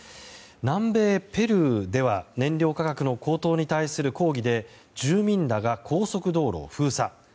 南米ペルーでは燃料価格の高騰に対する抗議で住民らが高速道路を封鎖。